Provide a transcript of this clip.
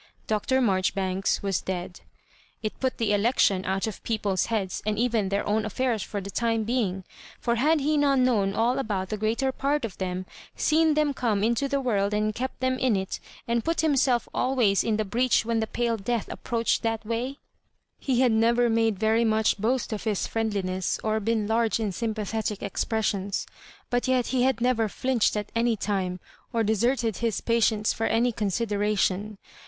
Dr. Marjoribanks was dead It put the election out of people's heads, and even their own affairs for the time being ; for had he not known all about the greater part of them — seen them come into the world and kept them in it — and put himself always in the breach when the pale Death approached that Digitized by VjOOQIC mm HABJOBIBAHKS. Ul way? He had neyer made yeiy much boast of his friendliness or been large in sympathetic expressions) but yet he had never flinched at any time, or deserted his patients ibr any con sideration.